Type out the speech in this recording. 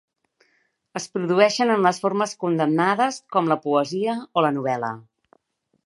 Es produeixen en les formes condemnades, com la poesia o la novel·la.